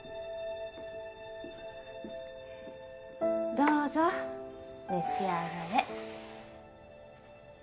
どうぞ召し上がれ。